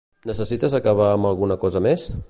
Necessites acabar amb alguna cosa més?